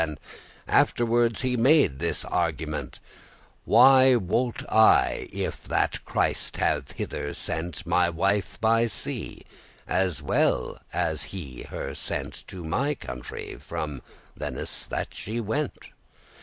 And afterward he made his argument, "What wot I, if that Christ have hither sent My wife by sea, as well as he her sent To my country, from thennes that she went?"